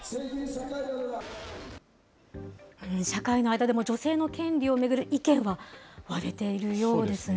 社会の間でも、女性の権利を巡る意見は割れているようですね。